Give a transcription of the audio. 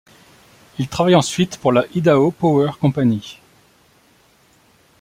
Il travaille ensuite pour la Idaho Power Company.